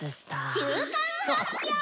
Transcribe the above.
「中間発表ぉ！」。